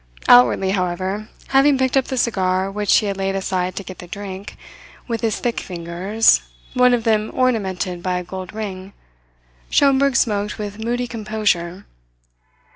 Outwardly, however, having picked up the cigar which he had laid aside to get the drink, with his thick fingers, one of them ornamented by a gold ring, Schomberg smoked with moody composure.